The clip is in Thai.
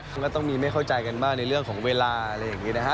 มันก็ต้องมีไม่เข้าใจกันบ้างในเรื่องของเวลาอะไรอย่างนี้นะฮะ